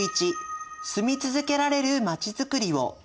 「住み続けられるまちづくりを」。